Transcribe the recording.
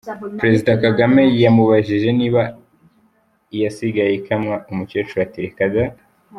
Perezida Kagame yamubajije niba iyasigaye ikamwa, umukecuru ati “Reka da!